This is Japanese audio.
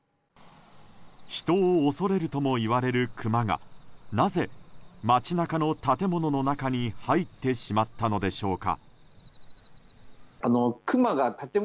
人を恐れるともいわれるクマがなぜ、町中の建物の中に入ってしまったのでしょうか。